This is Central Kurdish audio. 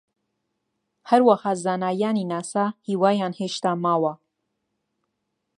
هەروەها زانایانی ناسا هیوایان هێشتا ماوە